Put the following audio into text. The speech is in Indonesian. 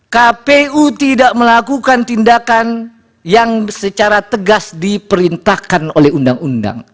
kpu tidak melakukan tindakan yang secara tegas diperintahkan oleh undang undang